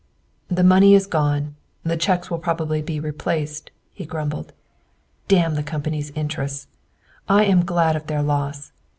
"The money is gone, the cheques will probably be replaced," he grumbled. "Damn the company's interests! I am glad of their loss.